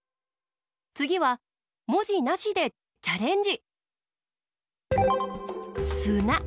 つぎはもじなしでチャレンジ！